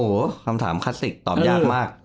โอ้โหคำถามคลาสสิกตอบยากมาก